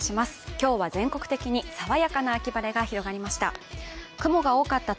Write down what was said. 今日は全国的にさわやかな秋晴れが広がりました。